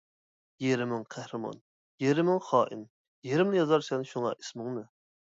يېرىمىڭ قەھرىمان، يېرىمىڭ خائىن، يېرىملا يازارسەن شۇڭا ئىسمىڭنى.